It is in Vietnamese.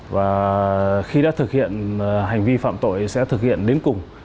và khi đã thực hiện hành vi phạm tội sẽ thực hiện đến cùng